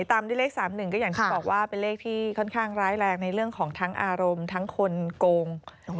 ตามด้วยเลข๓๑ก็อย่างที่บอกว่าเป็นเลขที่ค่อนข้างร้ายแรงในเรื่องของทั้งอารมณ์ทั้งคนโกง